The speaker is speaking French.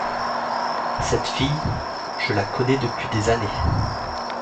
Cette fille, je la connais depuis des années.